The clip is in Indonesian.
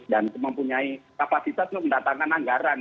dan mempunyai kapasitas untuk mendatangkan anggaran